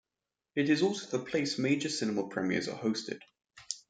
It is also the place major cinema premiers are hosted.